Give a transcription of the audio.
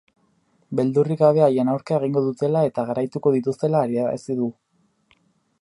Beldurrik gabe haien aurka ekingo dutela eta garaituko dituztela adierazi du.